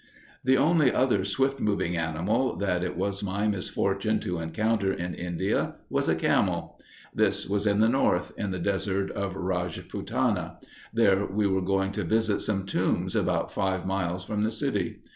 The only other swift moving animal that it was my misfortune to encounter in India was a camel. This was in the north, in the desert of Rajputana. We were going to visit some tombs about five miles from the city.